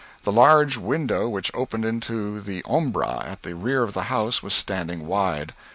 The large window which opened into the ombra at the rear of the house was standing wide.